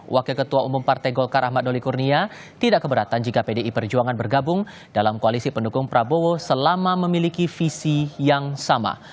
wakil ketua umum partai golkar ahmad doli kurnia tidak keberatan jika pdi perjuangan bergabung dalam koalisi pendukung prabowo selama memiliki visi yang sama